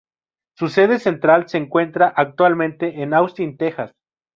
Su sede central se encuentra actualmente en Austin, Texas.